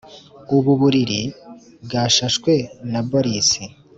Ubu buriri bwashashwe na Boris